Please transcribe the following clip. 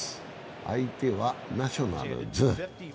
相手はナショナルズ。